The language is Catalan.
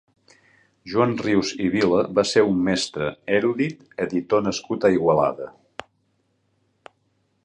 Joan Rius i Vila va ser un mestre, èrudit, editor nascut a Igualada.